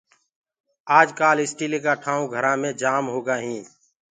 آج ڪآل اسٽيلي ڪآ ٺآئونٚ گھرآ مي آم جآم هينٚ۔